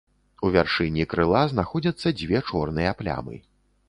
У вяршыні крыла знаходзяцца дзве чорныя плямы.